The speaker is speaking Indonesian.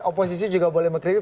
oposisi juga boleh mengkritik